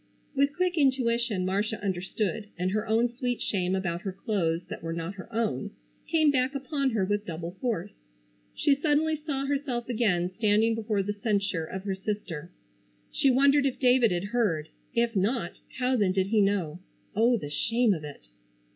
With quick intuition Marcia understood and her own sweet shame about her clothes that were not her own came back upon her with double force. She suddenly saw herself again standing before the censure of her sister. She wondered if David had heard. If not, how then did he know? Oh, the shame of it!